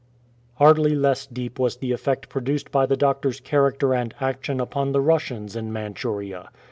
Hardly less deep was the effect produced by the doctor's character and action upon the Russians in Manchuria.